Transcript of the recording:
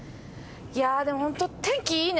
いやあでもホント天気いいね！